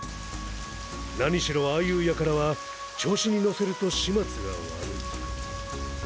何しろああいう輩は調子に乗せると始末が悪い。